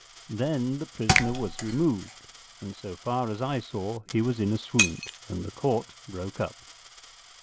Then the prisoner was removed, and, so far as I saw, he was in a swound, and the Court broke up.